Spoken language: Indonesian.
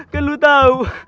kan lu tahu